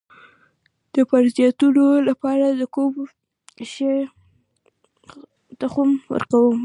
د پرازیتونو لپاره د کوم شي تخم وخورم؟